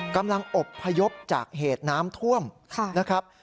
กำลังอบพยพจากเหตุน้ำท่วมนะครับ